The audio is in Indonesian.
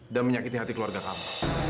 dan menyakiti hati keluarga kamu